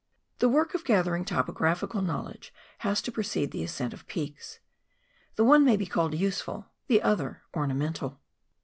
The work of gathering topographical knowledge has to precede the ascent of peaks — the one may be called useful, the other ornamental.